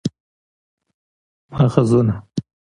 ماخذونه: